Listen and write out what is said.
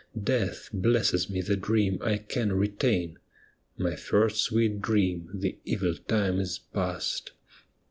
Death blesses me the dream I can retain. My first sweet dream, the evil time is past.